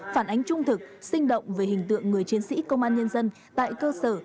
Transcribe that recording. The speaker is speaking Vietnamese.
phản ánh trung thực sinh động về hình tượng người chiến sĩ công an nhân dân tại cơ sở